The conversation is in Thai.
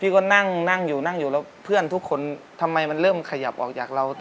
ก็นั่งนั่งอยู่นั่งอยู่แล้วเพื่อนทุกคนทำไมมันเริ่มขยับออกจากเรา